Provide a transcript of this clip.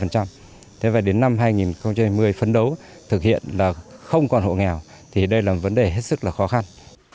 thế vậy đến năm hai nghìn hai mươi phấn đấu thực hiện là không còn hộ nghèo thì đây là vấn đề hết sức là khó khăn